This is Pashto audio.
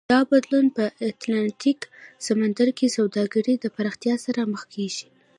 دا بدلون په اتلانتیک سمندر کې سوداګرۍ پراختیا سره مخ کېږي.